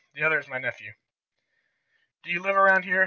"The other is my nephew." "Do you live around here?"